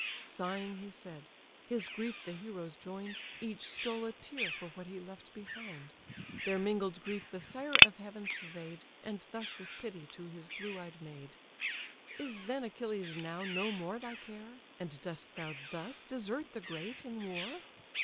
Sighing he said: his grief the heroes join'd, Each stole a tear for what he left behind. Their mingled grief the sire of heaven survey'd, And thus with pity to his blue eyed maid: "Is then Achilles now no more thy care, And dost thou thus desert the great in war?